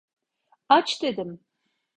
Aç dedim!